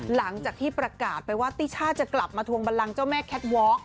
หลังจากที่ประกาศไปว่าติช่าจะกลับมาทวงบันลังเจ้าแม่แคทวอล์